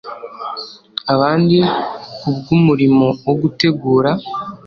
abandi kubwo umurimo wo gutegura